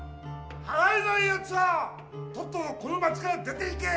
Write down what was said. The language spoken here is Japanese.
払えないやつはとっととこの町から出ていけ！